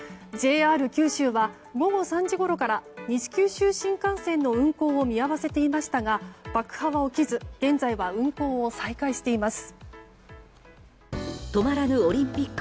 ＪＲ九州は午後３時ごろから西九州新幹線の運行を見合わせていましたが爆破は起きず現在は運行を再開しています。